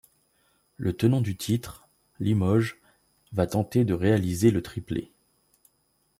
Le tenant du titre, Limoges, va tenter de réaliser le triplé.